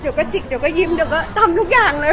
เดี๋ยวก็จิกเดี๋ยวก็ยิ้มเดี๋ยวก็ทำทุกอย่างเลย